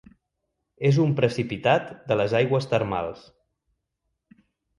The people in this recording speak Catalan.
És un precipitat de les aigües termals.